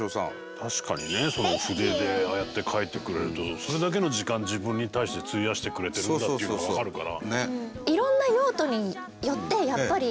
確かにね筆でああやって書いてくれるとそれだけの時間自分に対して費やしてくれてるんだっていうのが分かるから。